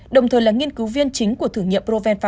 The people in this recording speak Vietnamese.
đồng thời là nghiên cứu viên chính của thử nghiệm provenfa ba